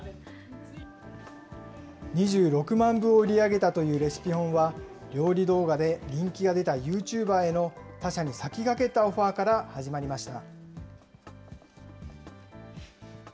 ２６万部を売り上げたというレシピ本は、料理動画で人気が出たユーチューバーへの他社に先駆けたオファーから始まりました。